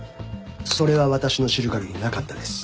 それは私の知るかぎりなかったです。